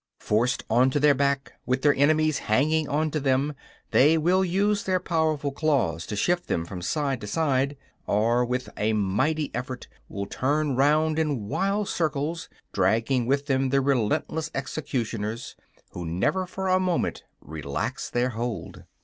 Forced on to their back, with their enemies hanging on to them, they will use their powerful claws to shift them from side to side; or, with a mighty effort, will turn round in wild circles, dragging with them the relentless executioners, who never for a moment relax their hold.